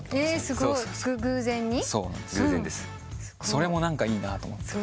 それも何かいいなと思って。